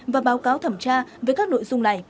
và báo cáo thẩm tra về các nội dung này